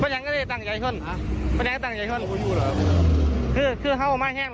ซ้ายอย่างนี้ที่ช่วงนี้คืออย่าง